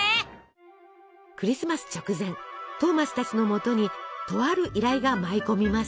クリスマス直前トーマスたちのもとにとある依頼が舞い込みます。